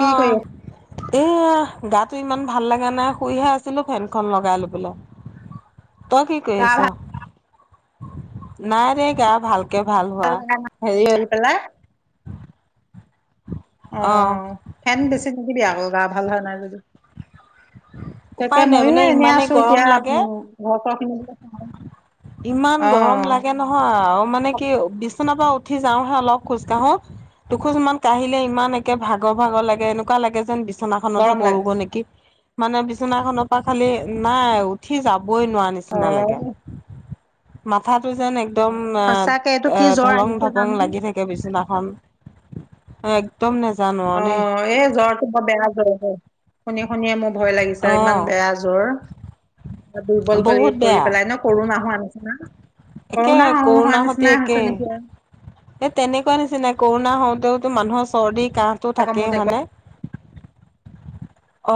কি অ কৰি এয়া। গাটো ইমান ভাল লাগা নাই শুইহে আছিলো ফেনখন লগাই লৈ পেলাই তই কি কৰি গা আছ নাইৰে গা ভাল। হোৱা। হেৰি পেলাই অ ফেন বেছি নিদিবি আক গা ভাল হোৱা নাই যদি। তাকে উপায় নাই ময়ো মানে এনে ইমানেই আছো গৰম এতিয়া লাগে উ ঘৰখিনি ইমান গৰম লাগে নহয় আৰু মানে কি বিছনাৰ পৰা উঠি যাওঁহে অলপ খোজকাঢ়ো দোখোজ মান কাঢ়িলে ইমান একে ভাগৰ ভাগৰ লাগে এনেকোৱা লাগে যেন বি চনাখনতহে গৰম লাগে পৰোগৈ নেকি মানে বিছনা খনৰ পৰা খালি নাই উঠি যাব কবই নোৱাৰা অ নিচিনা লাগে, মাথাটো যেন এক দম সঁচাকে এইটো কি জ্বৰ ঢলং আহিছে ঢপং জানো লাগি থাকে বিচনাখন। নেজানো অ আৰু দেই এ জ্বৰ তো বৰ বেয়া জ্বৰ শুনি শুনিয়ে মোৰ ভয় লাগিছে অ ইমান বেয়া জ্বৰ। দুৰ্বল বহুত কৰি বেয়া কৰি পেলাই ন কৰোনা হোৱা নিচিনা। একে কোৰোণা হ হোৱা নিচিনাই হৈছে নেকি। এ তেনেকোৱা নিচিনাই কৰোণা হওঁতেও তো মানুহৰ চৰ্দি কাহটো আকৌ থাকেই মোৰ হয়নে, অ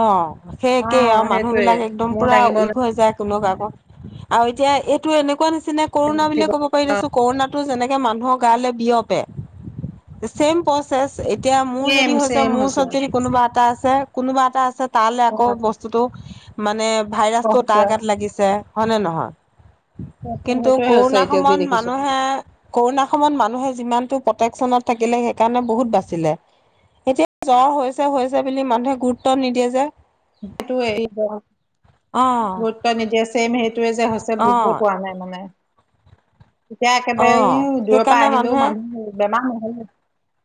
সেই অ একেই আৰু মানুহ সেইটোয়ে বিলাক একদম মোৰ পুৰা দাঙিব ৱীক হৈ যায়। টোল গাৰ্ভ আৰু এতিয়া এইটো এনেকোৱা নিছি না কৰোনা বুলিয়ে নুঠিব ক'ব পাৰি দেছো কৰোণাতো যেনেকে মানুহক ইফালে বিয়পে ছেম প্ৰচেছ। এতিয়া মোৰ চেম যদি হৈছে চেম মোৰ ওচৰত যদি কোনোবা এটা আছে কোনোবা এটা আছে তালৈ অ আকৌ বস্তুটো মানে ভাইৰাছ টো তাৰ গাত লাগিছে হয়নে নহয়। কিন্তু সেইটোয়ে হৈছে কৰোণা এতিয়া যি সময়ত দেখিছো মানুহে কৰোণা সময়ত মানুহে যিমান টো প্ৰটেকচন অত থাকিলে সেইকাৰণে বহুত বাচিলে। এতিয়া জ্বৰ হৈছে হৈছে বুলি মানুহে গুৰুত্ব নিদিয়ে যে। এইটো এৰিব, অ ভোট বা মিদিয়া ছেম সেই। সেইটোৱে যে হৈছে অ বুজিয়ে পোৱা নাই মানে। এতিয়া অ একেবাৰে দূৰৰ পৰা সেইকাৰণে আহিলেও মানুহে মানুহ বেমাৰ নহলে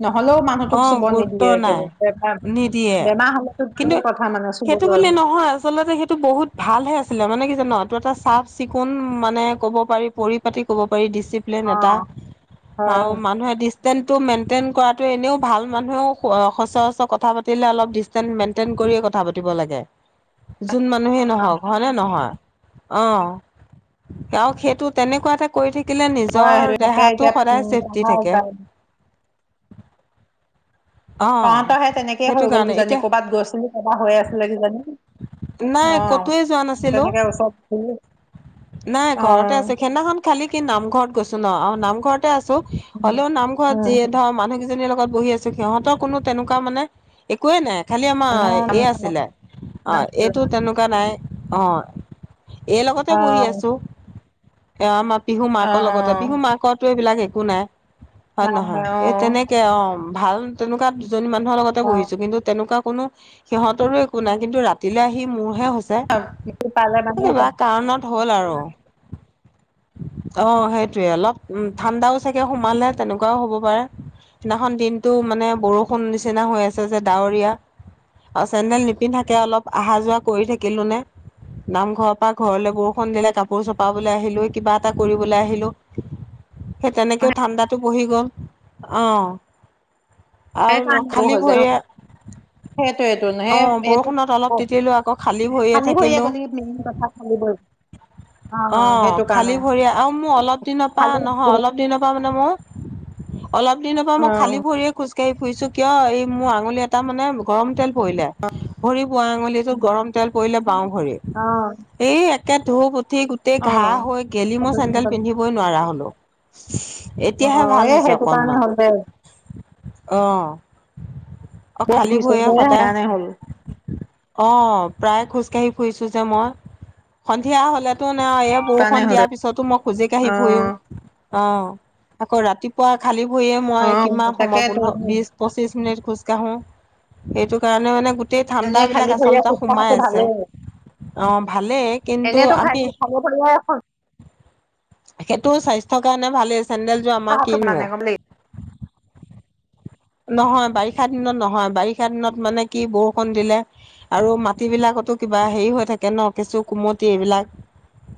নহলেও অ মানুহটোক চুব গুৰুত্ব নিদিয়ে নাই একেবাৰে, বেমাৰ নিদিয়ে বেমাৰ হলেতো কিন্তু দূৰৰ কথা মানে সেইটো চুবলৈ বুলি নহয়, আচলতে সেইটো বহুত ভালহে আছিলে, মানে কি জানা অ টো এটা চাফ চিকুণ মানে ক'ব পাৰি পৰিপাতি কব পা ৰি দিছিপ্লেন অ এটা হয় আৰু মানুহে ডিচটেন্স টো মেইনটেইন কৰাটো এনেও ভাল মানুহেও সচৰাচৰ কথা পাতিলে অলপ ডিচটেন্স মেইনটেইন কৰিয়ে কথা পাতিব লাগে। যোন মানুহেই নহওক হয়নে নহয়। অ তেওঁ সেইটো তেনেকোৱা এটা কৰি থাকি থাকিলে হয় সেইটো নিজৰ তাকে এতিয়া দেহাটো সদায় উম চেফটি পঢ়া থাকে। যায় অ তহঁতৰ হে তেনেকেই সেইটো হৈ গ'ল কাৰণে কিজানি এতিয়া কৰ'বাত গৈছিলি কাবাৰ হৈ আছিলে কিজানি নাই অহ ক'তোৱে যোৱা নাছিলো তেনেকে ওচৰত নাই অ ঘৰতে আছে সেদিনাখন খালি সি নামঘৰত, গৈছো ন অ নামঘৰতে আছো হলেও নামঘৰত যি ধৰ মানুহ কেইজনীৰ লগত বহি আছো সিহঁতৰ কোনো তেনেকোৱা মানে একোৱেই নাই খালি আমাৰ এই মানুহ আছিলে অ নাছিলে এইটো তেনেকোৱা নাই অ এই অ, লগতে বহি আছো। এ আমাৰ পিহু অ, মাকৰ অ, লগতে পিহু মাকটো এইবিলাক একো নাই। হয় নহয় নাই অ, এই তেনেকে অ ভাল তেনেকোৱা দুজনী মানুহৰ লগতে অ, বহিছো কিন্তু তেনেকোৱা কোনো সিহঁতৰো একো নাই কিন্তু ৰাতিলে আহি মোৰ হে হৈছে সেইটো পালে হে মানে কিবা কাৰণত হ'ল আৰু। অ সেইটোয়ে অলপ উ ঠাণ্ডাও চাগে সোমালে তেনেকুৱাও হ'ব পাৰে। সেইদিনাখন দিনটো মানে বৰষুণ নিচিনা হৈ আছে যে ডাৱৰীয়া। আও চেণ্ডেল নিপিন্ধকে অলপ অহা যোৱা কৰি থাকিলোঁ নে নামঘৰৰ পৰা ঘৰলৈ বৰষুণ দিলে কাপোৰ চপাবলৈ আহিলো কিবা এটা কৰিবলৈ আহিলো। সেই তেনেকেও ঠাণ্ডাতো বহি গ'ল, অহ। আৰু সেইকাৰণে খালী হৈ যায় ভৰি ন এ সেইটোৱেটো অ সেই এইটো বৰষুণত অলপ তিতিলো আকৌ খালী ভৰিয়ে থাকিলো। গলি মেইন কথা খালী ভৰি অ সেইটো কাৰণে খালী ভৰি আৰু মোৰ অলপ দিনৰ পৰা খালী নহয় ভৰি অলপ দিনৰ পৰা মানে মোৰ অলপ দিনৰ পৰা অ, মই খালী ভৰিয়ে খোজকাঢ়ি ফুৰিছোঁ কিয় এই মোৰ আঙুলি এটা মানে গৰম তেল পৰিলে ভৰি বোৱা আঙুলিটোত গৰম তেল পৰিলে বাওঁ ভৰি অ, এই একে ধুপ উঠি গোটেই ঘাঁহ অ, হৈ গেলি মই চেন্দেল পিন্ধিবই নোৱাৰা হলো। অ, এতিয়াহে ভাল এই হৈছে সেইটো কাৰণে অকনমান হ'ল দে অহ। অ বৰষুণ খালী দিছে ভৰি যে সদায় সেইকাৰণে হ'ল অ প্ৰায় খোজকাাঢ়ি ফুৰিছোঁ যে মই সন্ধিয়া হ'লে। টো নাই এই সেইকাৰণে বৰষুন হৈছে দিয়াৰ পিছতো মই খোজ কাঢ়ি অ, ফুইউ অ আকৌ ৰাতিপুৱা খালি ভৰিয়ে অ, মই কিমান সময় তাকেতো পোন্ধৰ বিছ পঁচিছ মিনিট খোজকাঢ়োঁ। সেইটো কাৰণে মানে গোটেই এনেই খালী ঠাণ্ডাবিলাক ভৰিয়ে আচলতে খোজ কঢ়াটো সোমাই আছে। ভালেই আহ ভালেই কিন্তু এনেইতো খালী আমি খালী ভৰিয়ে খোজ সেইটো স্বাস্থ্যৰ কাৰণে ভালেই চেন্দেলযোৰ আমাৰ কঢ়াটো কিনো মানে গম নহয় বাৰিষা দিনত নহয় বাৰিষা দিনত মানে কি বৰষুণ দিলে আৰু মাটি বিলাক কটো কিবা হেৰি হৈ থাকে ন কেঁচু কুমতি এইবিলাক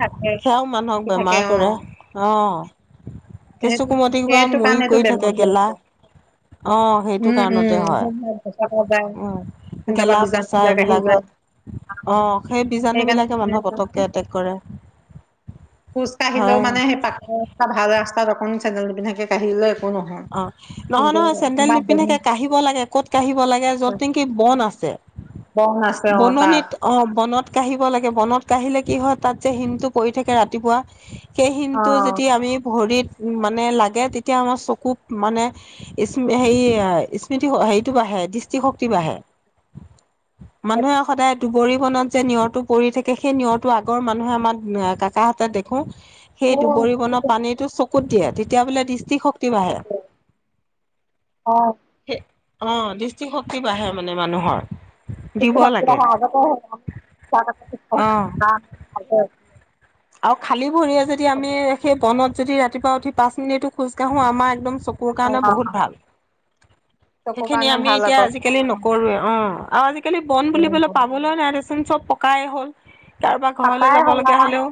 থাকে সেয়াও মানুহক কি থাকে বেমাৰ অ কৰে অঁ। সেইটো কেঁচু কুমতি কিবা সেইটো মৰি কাৰণেতো গৈ বেমাৰ থাকে বিলাক গেলা হয় অ সেইটো উম উম কাৰণতে সেইবিলাক গছকা যায় হয় উ। তাৰ পৰা গেলা বীজাণু পচা বিলাক আহি যায় এইবিলাকত অ সেই বীজাণু বিলাকে সেইকাৰণে মানুহক পতককে এটেক কৰে। খোজ কাঢ়িলেও হয় মানে সেই পাকৰ ৰাস্তা ভাল ৰাস্তাত অকণ চেনদেল নিপিন্ধাকে কাঢ়িলে একো নহয় অ নহয় কিন্তু নহয় চেন্দেল কিবা বন নিপিন্ধোকে কাঢ়িব লাগে ক'ত কাঢ়িব লাগে আছে য'ত নেকি বন আছে। বন আছে অ তাত বননিত অ বনত কাঢ়িব লাগে বনত কাঢ়িলে কি হয় তাত যে হিমটো পৰি থাকে ৰাতিপুৱা সেই অ হিমটো যেতিয়া আমি ভৰিত উ মানে লাগে তেতিয়া আমাৰ চকু মানে স্ম হেৰি স্মৃতি হেৰিটো বাঢ়ে দৃষ্টিশক্তি বাঢ়ে। মানুহে সদায় দুবৰি বনত যে নিয়ৰটো পৰি থাকে সেই নিয়ৰটো আগৰ মানুহে আমাৰ কাকাহঁতে দেখোঁ সেই দুবৰি বন সেইটো পানীটো চকুত দিয়ে তেতিয়া বোলে দৃষ্টি শক্তি বাঢ়ে। অঁ অ দৃষ্টিশক্তি বাঢ়ে মানে মানুহৰ। দৃষ্টি দিব শক্তি লাগে বাঢ়ে অ। আগতে আৰু খালী ভৰিয়ে যদি আমি সেই বনত যদি ৰাতিপুৱা উঠি পাঁচ মিনিটটো খোজকাঢ়ো আমাৰ একদম চকুৰ কাৰণে বহুত ভাল চকুৰ সেইখিনি কাৰণে আমি ভাল এতিয়া আজিকালি আকৌ নকৰোঁৱে অ। আৰু আজিকালি বন বুলিবলৈ পাবলৈও নাই দেচুন চব পকাই হ'ল। তাৰ পৰা ঘৰলৈ পাকাই যাব হলা লগীয়া হ'লেও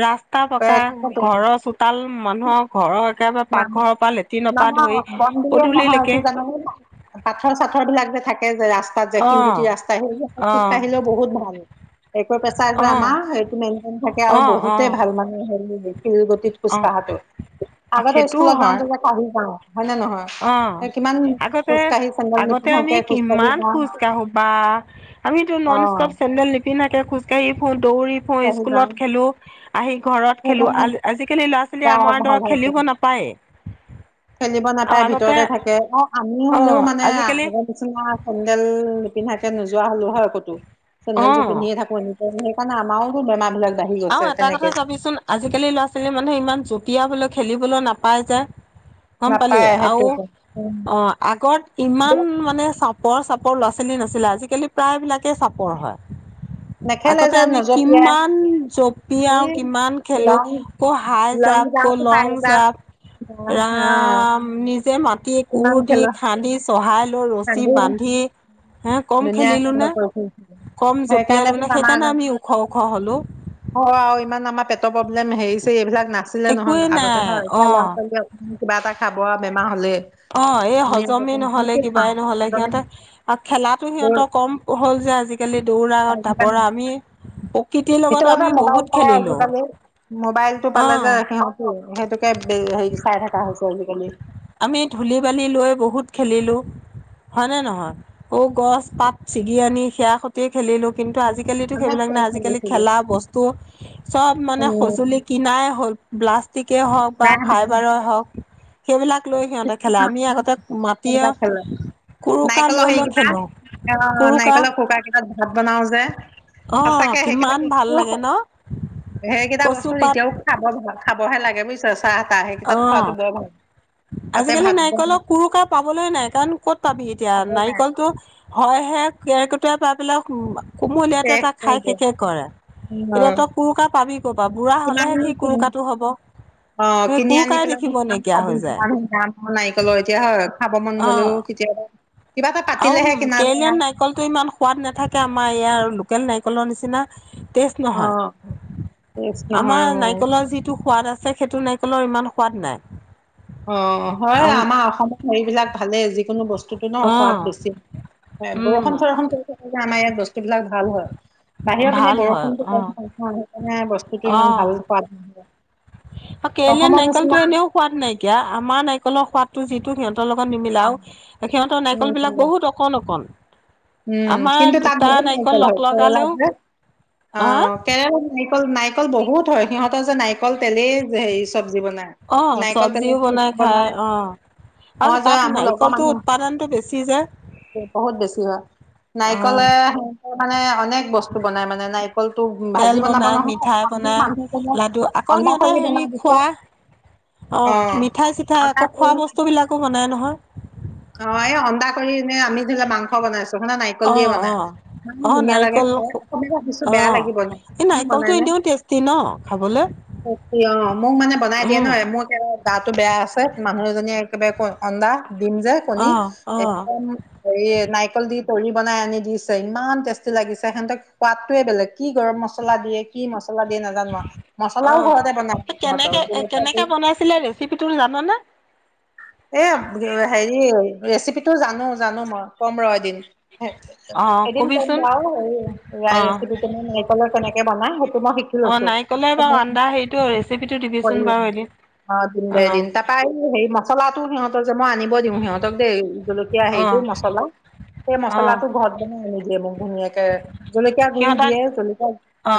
ৰাস্তা এ পকা তাকেতো ঘৰৰ চোতাল মানুহৰ ঘৰত একেবাৰে মানুহ পাকঘৰৰ পৰা লেট্ৰিনৰ পৰা নহয় ধৰি বন বুলিয়ে নহয় কি পদূলিলৈকে জানানে পাথৰ চাথৰ বিলাক যে থাকে যে ৰাস্তাত যে অ শিলগুটি ৰাস্তা সেইবিলাক অ খোজকাঢ়িলেও বহুত ভাল। একো [unintelligible] অ সেইটো মেইনটেইন থাকে আৰু অ অ বহুতে ভাল মানে হয় শিল গুটিত খোজ অ অ কঢ়াটো, আগতে সেইটোও স্কুলত হয় যাওঁতে যে কাঢ়ি যাওঁ। হয় নে নহয় অ', কিমান আগতে খোজ কাঢ়ি চেন্দেল আগতে নিপিন্ধাকে খোজ কাঢ়ি যাওঁ। আমিতটো অ নন ষ্টপ চেডেল নিপিন্ধাকে খোজকাঢ়ি ফুৰো দৌৰি খোজ ফু কাঢ়ি যাওঁ স্কুলত খেলো আহি ঘৰত খেলো সেইকাৰণে আজিকালি লাষ্ট লৰা ছোৱালী গা আমাৰ ভাল দৰে হৈছে খেলিব নাপায়। খেলিব নাপায় ভিতৰতে থাকে আৰু আমি হ'লেও অ', মানে আজিকালি আগৰ নিচিনা চেডেল নিপিন্ধাকে নোযোৱা হ'লো হয় কতো চেন্দেল যোৰ অ', পিন্ধিয়ে থাকো এ সেইকাৰণে আমাৰো বেমাৰ বিলাক বাঢ়ি আৰু গৈছে এটা কথা তেনেকে চাবিচোন আজিকালি ল'ৰা ছোৱালী মানুহে ইমান জপিয়ালে খেলিবলৈ নাপাই যে গম পালি নাপায় আৰু সেইটোৱেটো উম অ আগত ইমান মানে চাপৰ ল'ৰা ছোৱালী নাছিলে আজিকালি প্ৰায়বিলাকে চাপৰ হয়। নেখেলে আগতে যে আমি নজপিয়াই কিমান জপিয়াই আও এই কিমান খেলো লং ক' হাই লং জাম্প ক' জাপ লং হাই জাপ জাম্প অ ৰাম নিজে মাতি কোৰ কিমান দি খেলা খান্দি চহাই ৰছী কান্দি বান্ধি হে কম ধুনীয়া খেলিলো কান্দ নে কৰি ফুৰিছিলে কম জপিয়ালো সেইকাৰণেতো নে সেইকাৰণে আমি ওখ ওখ হলো। অ ইমান আমাৰ পেটৰ প্ৰব্লেম হেৰিছে এইবিলাক। নাছিলে একোৱেই নহয় আগতে নাই হয় অ এতিয়া ল'ৰা ছোৱালী অকমান কিবা এটা খাব বেমাৰ হ'লে অ এ আমি হজমেই আগতে যি নহয় তি কিবাই খাওঁ নহ'লে সিহঁতে আৰু খেলা সিহঁতৰ কম হ'ল যে আজিকালি দৌৰা আজিকালি ঢাপৰা আমি প্ৰকৃতিৰ সেইটো লগত কথা আমি মোবাইল বহুত চলাই খেলিলোঁ আজিকালি মোবাইলটো অ পালে যে সিহঁতো সেইটোকে হেৰি চাই থকা হৈছে আজিকালি আমি ধূলি বালি লৈ বহুত খেলিলোঁ। হয় নে নহয় ঔ গছ পাত ছিগি আনি সেয়া সতিয়ে খেলিলো কিন্তু আজিকালি আজিকালিতো আমি সেইবিলাক খেল নাই আজিকালি খেলিছিলো খেলা বস্তু চব মানে উম সঁজুলি কিনাই হ'ল। ব্লাষ্টিকেই হওঁক বা নাই ফাইবাৰেই হওঁক সেইবিলাক লৈ সিহঁতে খেলে আমি আগতে মাটিয় সেইবিলাক খেলে নাৰিকলৰ হেৰিকেইটা আহ কুৰুকা নাৰিকলৰ কুকাৰ কেইটাত ভাত বনাও যে অ সচাঁকে সেইকেইটা কিমান ভাল বস্তু লাগে ন সেইকেইটা কচু বস্তু পাত এতিয়াও খাব ধ খাব খাবহে লাগে বুজিছা চাহ তাহ আহে কি অ তাত খোৱাটো ব আজিকালি নাৰিকলক কুৰুকাৰ পাবলৈয় নাই কাৰণ ক'ত পাবি এতিয়া খাব নাই নাৰিকলতটো হয় সে কেৰ্কেটুৱাই পাই বিলাক কুমলীয়াতে এ শেষ তে কৰি খাই দিয়ে শেষ কৰে এতিয়া তই কুৰুকা পাবি ক'বা বুঢ়া কিমান হলেহে সি কিনি কুৰুকাটো হব। অ সেই কিনি আনি কুৰুকাই পেলাই দেখিব মোক কিমান নাইকিয়া খাবি হৈ যায় সিমান দাম নাৰিকলৰ এতিয়া হয় খাব মন অ গ'লো কেতিয়াবা কিবা এটা আৰু পাতিলেহে কিনা যায় কেৰেলীয়ান আৰু নাৰিকলতটো ইমান সোৱাদ নাথাকে আমাৰ ইয়াৰ লোকেল নাৰিকলৰ নিচিনা টেষ্ট অ টেষ্ট নহয় আমাৰ নহয় মোৰ নাৰিকলৰ যিটো সোৱাদ আছে সেইটো ন নাৰিকলৰ ইমান সোৱাদ নাই। অ হয় অ আমাৰ অসমত হেৰি বিলাক ভালেই যি। যিকোনো বস্তুতো ন সোৱাদ বেছি বৰষুণ উম চৰষুন হয় যে আমাৰ ইয়াত সেইবিলাক ভাল হয়। বাহিৰৰ পিনে ভাল হয় বৰষুণ অ কম সেইকাৰণে বস্তুতটো ইমান ভাল সোৱাদ নহয়। কেৰেলিয়ান অসমৰ নাৰিকলতো নিচিনা এনেও সোৱাদ নাইকিয়া আমাৰ নাৰিকলৰ সোৱাদতটো যিটো সিহঁত সিহঁতৰ লগত নিমিলাও সিহঁতৰ নাৰিকল উম বিলাক বহুত অকণ অকণ উম আমাৰ কিন্তু তাত দুটা বহুত নাৰিকল লগ হয়‌ কেৰেলাত লগালেও যে অ হা কেৰেলা নাৰিকল নাৰিকল বহুত হয় সিহঁতৰ যে নাৰিকল তেলেই হেৰি চব লোচি বনায় অ নাৰিকল চব্জিও বনাই তেল খাই অ আৰু মই যে তাত মোৰ লগৰ নাৰিকলটো উৎপাদনটো বেছি যে মানুহ বহুত বেছি হয়। অ নাৰিকলে সেনেকে মানে অনেক বস্তু বনাই মানে। নাৰিকলটো তেল ভাজি বনাব বনাই নহয়। মিঠাই বনাই মানুহজনে লাডু আকৌ অন্দা সিহঁতে কৰি হেৰি বনাই দিছে। খোৱা অ মিঠাই চিঠাই অন্দা আকৌ কৰি খোৱা বস্তু বিলাকো বনাই নহয়। অ এই অন্দা কৰি ন আমি ধৰি ল মাংস বনাইছো। প্ৰথমে নাৰিকল অ দিয়ে অ বনাই অ ইমান ধুনীয়া লাগে নাৰিকল খাই অকমান ভাবিছো বেয়া লাগিব নাই বনাই নে বহুত টেষ্টি ন খাবলৈ টেষ্টি অ মোক মানে বনাই দিয়ে উম নহয় মোৰ একেবাৰে গাটো বেয়া আছে। মানুহ এজনীয়ে একেবাৰে অন্দা দিম যে অ কণী অ একদম হেই নাৰিকল দি দৰি বনাই আনি দিছে ইমান টেষ্টি লাগিছে সিহঁতক সোৱাদটোৱে বেলেগ কি গৰম মছলা দিয়ে কি মছ অ বনাই সিহঁতৰ কেনেকে এ জলকীয়া গুৰি কেনেকে বনাইছিলে ৰেচিপিটো জানানে [inaudible] এ হেৰি ৰেচিপিটো জানো জানো মই ক'ম ৰ এদিন। অ এদিন ক'ম কবিচোন বাৰু অ ৰেচিপিটো নাৰিকলৰ কেনেকে বনাই সেইটো মই শিকি অ লৈছো। নাৰিকলে বাৰু আন্দা সেইটো ৰেচিপিটো দিবিচোন বাৰু এদিন অ দিম দে অ এদিন তাৰপা সেই মছলাটো সিহঁতৰ মই আনিব দিওঁ সিহঁতক দেই জলকীয়া হেৰিটো অ', মছলা সেই অ', মচলাটো ঘৰত বনাই আনি দিয়ে মোক ধুনীয়াকে জলকীয়া গুৰি সিহঁতে দিয়ে জলকীয়া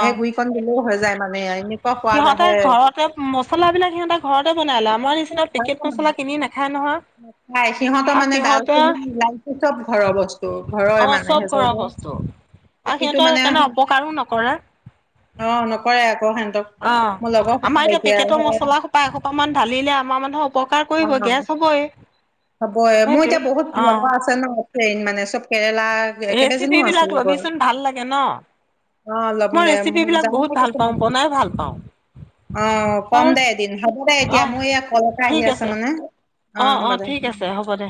সেই গু ৰি কন দিলেও হৈ যায় মানে এনে সিহঁতে ঘৰতে মছলাবিলাক সিহঁতে ঘৰতে বনাই লয় আমাৰ নিচিনা পেকেট মছলা কিনি নাখায় নহয়। নাখাই সিহঁতৰ আৰু মানে ডাল সিহঁতে চেনী ইলাইছি চব ঘৰৰ বস্তু ঘৰৰে অ মানে চব সেই কৰা চাইডে বস্তু আৰু প্ৰতিটো সিহঁতৰ মানে সেইকাৰণে অ অপকাৰো নকৰে নকৰে আকৌ সিহঁতক অ মোৰ লগৰ সোপা আমাৰ এতিয়া অ পেকেটৰ মছলা সোপা এসোপ মান ঢালিলে আমাৰ মানুহৰ উপকাৰ কৰিবই গেছ হ'বই হ'ব এ মোৰ সেইটোৱে এতিয়া বহুত অ', লগৰ আছে ন ট্ৰেইন মানে চব কে কেবাজনীয়ো আছে ৰেচিপিবিলাক লগৰ ল'বিচোন ভাল লাগে ন? অ লব মই নে ৰেচিপিবিলাক জানো বহুত নাই ভাল কছে পাওঁ, মই বনাই ভাল পাওঁ অ কম আৰু দে এদিন হ'ব দে এতিয়া অ', মোৰ এয়া কল এটা আহি আছে মানে অ অ হ'ব দে ঠিক উম আছে হ'ব দে